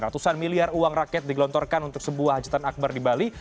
ratusan miliar uang rakyat digelontorkan untuk sebuah hajatan akbar di bali